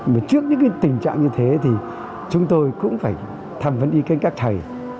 mà trước những tình trạng như thế thì chúng tôi cũng phải tham vấn ý kiến các thầy